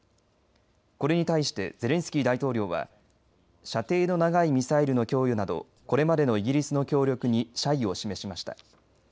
これに対してゼレンスキー大統領は射程の長いミサイルの供与などこれまでのイギリスの協力に謝意を示しました。